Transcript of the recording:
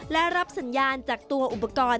และรับสัญญาณจากตัวอุปกรณ์